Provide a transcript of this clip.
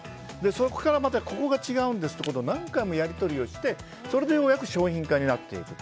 そこからまたここが違うんですということを何回もやり取りしてそれでようやく商品化になっていく。